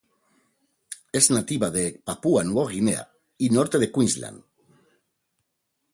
Es nativa de Papúa Nueva Guinea, y norte de Queensland.